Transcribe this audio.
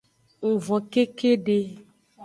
Ng von kekede.